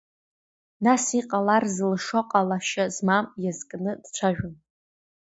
Нас иҟалар зылшо ҟалашьа змам иазкны дцәажәон.